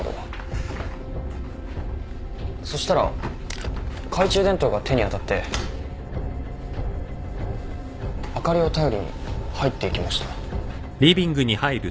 そしたら懐中電灯が手に当たって灯りを頼りに入っていきました。